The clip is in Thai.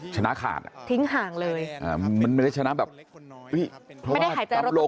ชนะขาดทิ้งห่างเลยมันไม่ได้ชนะแบบอุ๊ยไม่ได้ขายแจ้งรถกล่อง